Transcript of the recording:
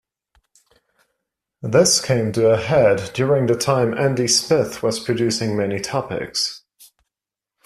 This came to a head during the time Andy Smith was producing many topics.